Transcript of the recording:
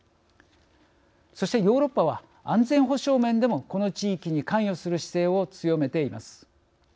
そして、ヨーロッパは安全保障面でもこの地域に関与する姿勢を強めています。